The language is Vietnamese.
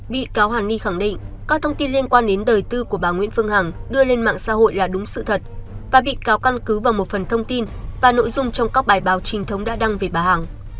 bị cáo hàn ni khẳng định các thông tin liên quan đến đời tư của bà nguyễn phương hằng đưa lên mạng xã hội là đúng sự thật và bị cáo căn cứ vào một phần thông tin và nội dung trong các bài báo trinh thống đã đăng về bà hằng